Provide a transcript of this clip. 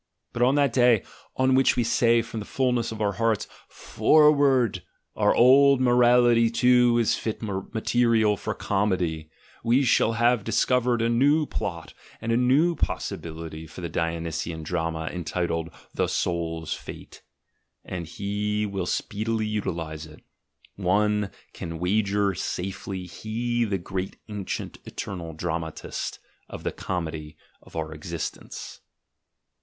But on that day on which we say from the fullness of our hearts, "For ward! our old morality too is fit material for Comedy, we shall have discovered a new plot, and a new possibility for the Dionysian drama entitled The Soul's Fate — and he will speedily utilise it, one can wager safely, he, the great ancient eternal dramatist of the comedy of our existence.